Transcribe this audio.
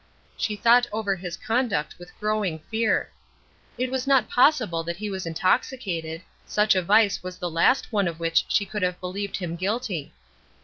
She thought over his conduct with growing fear. It was not possible that he was intoxicated such a vice was the last one of which she could have believed him guilty.